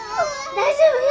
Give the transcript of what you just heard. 大丈夫よ！